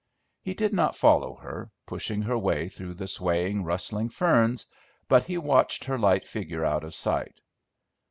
He did not follow her, pushing her way through the swaying, rustling ferns, but he watched her light figure out of sight.